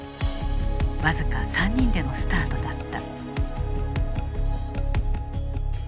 僅か３人でのスタートだった。